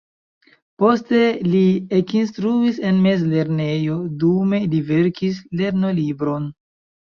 Poste li ekinstruis en mezlernejo, dume li verkis lernolibron.